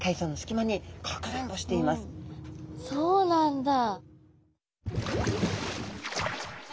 そうなんだ！